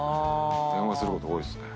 電話すること多いですね。